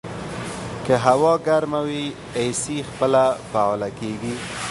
که هوا ګرمه وي، اې سي په خپله فعاله کېږي.